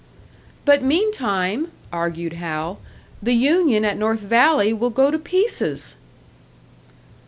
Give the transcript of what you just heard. "But meantime," argued Hal, "the union at North Valley will go to pieces!"